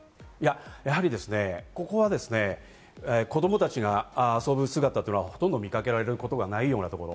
やはりここは子供たちが遊ぶ姿というのは、ほとんど見かけられることがない場所。